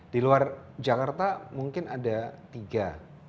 di luar jakarta mungkin ada tiga